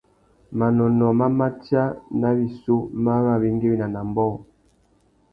Manônōh má matia nà wissú mà ru awéngüéwina nà ambōh.